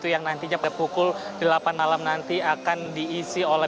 yang nantinya pada pukul delapan malam nanti akan diisi oleh